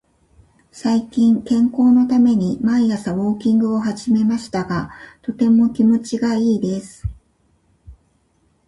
最近、健康のために毎朝ウォーキングを始めましたが、とても気持ちがいいです。